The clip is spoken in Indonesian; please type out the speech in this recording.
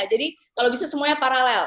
jadi kalau bisa semuanya paralel